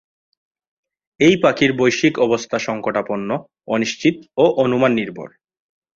এই পাখির বৈশ্বিক অবস্থা সংকটাপন্ন, অনিশ্চিত ও অনুমান নির্ভর।